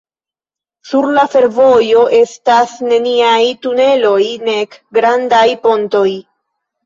Sur la fervojo estas neniaj tuneloj nek grandaj pontoj.